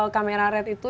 kamera red itu